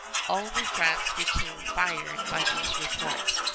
All New France became fired by these reports.